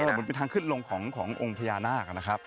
แต่เหมือนเป็นทางขึ้นลงขององค์พญานาคนะครับ